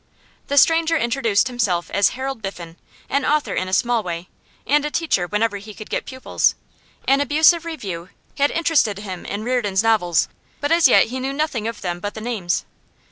The stranger introduced himself as Harold Biffen, an author in a small way, and a teacher whenever he could get pupils; an abusive review had interested him in Reardon's novels, but as yet he knew nothing of them but the names.